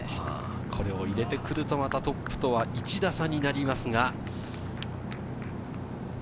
これを入れてくるとトップとは１打差になります。